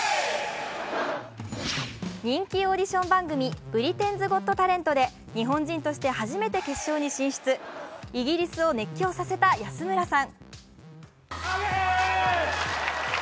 人気オーディション番組「ブリテンズ・ゴット・タレント」で日本人として初めて決勝に進出、イギリスを熱狂させた安村さん。